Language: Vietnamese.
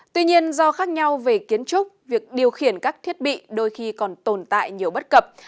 tuy nhiên do khác nhau về kiến trúc việc điều khiển các thiết bị đôi khi còn tồn tại nhiều bất cập